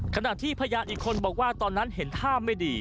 ขณะที่พยานอีกคนบอกว่าตอนนั้นเห็นท่าไม่ดี